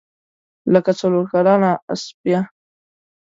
لکه څلورکلنه اسپه.